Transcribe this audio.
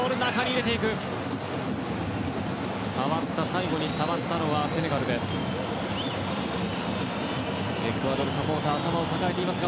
最後に触ったのはセネガルです。